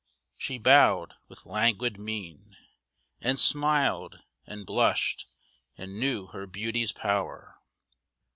She bowed with languid mien, And smiled, and blushed, and knew her beauty's power.